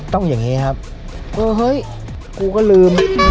อย่างนี้ครับเออเฮ้ยกูก็ลืม